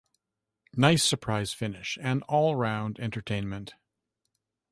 Nice surprise finish and all-round entertainment.